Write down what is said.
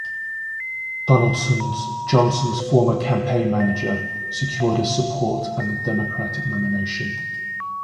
Donaldson, Johnson's former campaign manager, secured his support and the Democratic nomination.